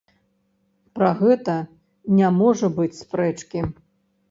Пра гэта не можа быць спрэчкі.